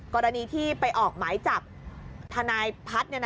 กรณีที่ไปออกหมายจับทนายพัฒน์